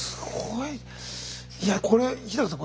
いやこれ日さん